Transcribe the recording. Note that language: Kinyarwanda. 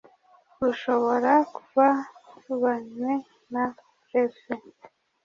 bushobora kubabanywe na prefe